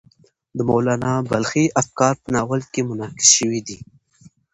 د مولانا بلخي افکار په ناول کې منعکس شوي دي.